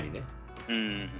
うん。